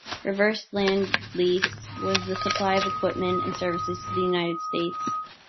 "Reverse Lend-lease" was the supply of equipment and services to the United States.